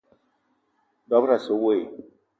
Dob-ro asse we i?